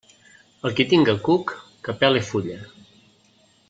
El qui tinga cuc, que pele fulla.